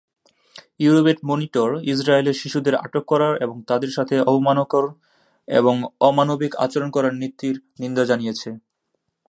Euro-Med monitor ইসরাইলের শিশুদের আটক করার এবং তাদের সাথে অবমাননাকর এবং অমানবিক আচরণ করার নীতির নিন্দা জানিয়েছে।